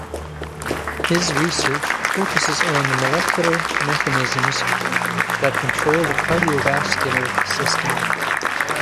His research focuses on the molecular mechanisms that control the cardiovascular system.